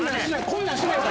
こんなんしない。